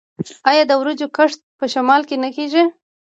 آیا د وریجو کښت په شمال کې نه کیږي؟